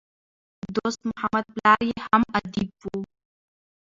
دوست محمد پلار ئې هم ادیب وو.